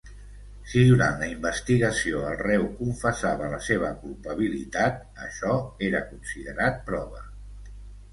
Si durant la investigació el reu confessava la seva culpabilitat, això era considerat prova.